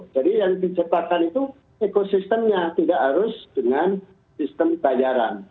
jadi yang diciptakan itu ekosistemnya tidak harus dengan sistem bayaran